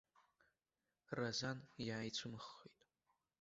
Разан иааицәымыӷхеит.